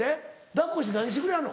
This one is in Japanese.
抱っこして何してくれはんの？